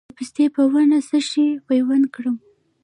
د پستې په ونه څه شی پیوند کړم؟